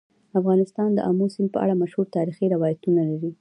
افغانستان د آمو سیند په اړه مشهور تاریخی روایتونه لري.